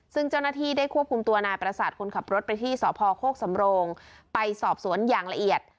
ซึ่งเจ้าหน้าที่ได้ควบคุมตัวนายประสาทคนขับรถไปที่สพโคกสำโรงไปสอบสวนอย่างละเอียด